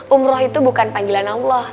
umroh itu bukan panggilan allah